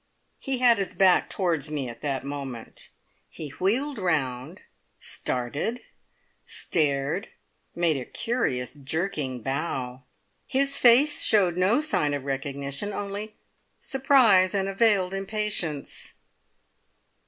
He had his back towards me at that moment; he wheeled round, started, stared, made a curious jerking bow. His face showed no sign of recognition, only surprise and a veiled impatience.